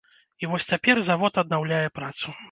І вось цяпер завод аднаўляе працу.